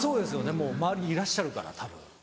もう周りにいらっしゃるからたぶん。